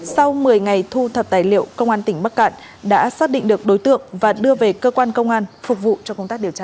sau một mươi ngày thu thập tài liệu công an tỉnh bắc cạn đã xác định được đối tượng và đưa về cơ quan công an phục vụ cho công tác điều tra